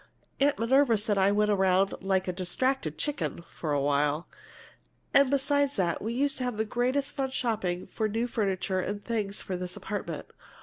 Aunt Minerva said I went around 'like a distracted chicken' for a while! And beside that, we used to have the greatest fun shopping for new furniture and things for this apartment.